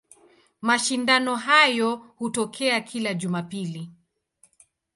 Mashindano hayo hutokea kila Jumapili.